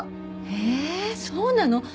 へえそうなの？